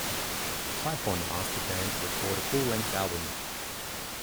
Tyfon asked the band to record a full-length album.